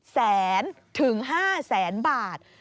แสนถึง๕แสนบาท